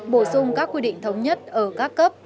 bổ sung các quy định thống nhất ở các cấp